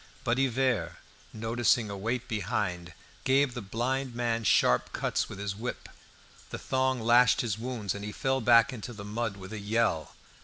But Hivert, noticing a weight behind, gave the blind man sharp cuts with his whip. The thong lashed his wounds, and he fell back into the mud with a yell.